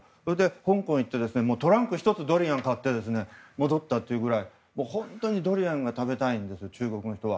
香港でトランク１つ分ぐらい買って戻ったというぐらい本当にドリアンが食べたいんです中国の人は。